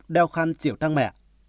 đeo khăn chịu thăng mẹ